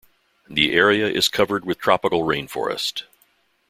The area is covered with tropical rainforest.